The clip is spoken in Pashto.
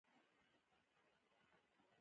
• د برېښنا تولید لپاره بېلابېلې سرچینې شته.